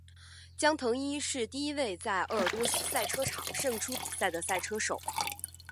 江腾一是第一位在鄂尔多斯赛车场胜出比赛的赛车手。